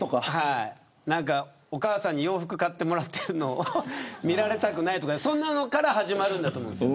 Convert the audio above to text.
お母さんに洋服買ってもらっているのを見られたくない、そんなのから始まると思うんです。